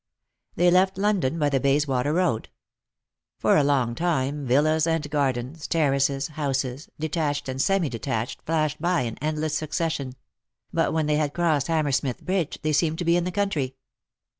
They left London by the Bays water road. For a long time villas andjjardens, terraces, houses, detached and semi detached, flashed by in endless succession ; but when they had crossed Hammersmith bridge they seemed to be in the country.